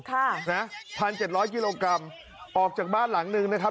ค่ะนะ๑๗๐๐กิโลกรัมออกจากบ้านหลังหนึ่งนะครับ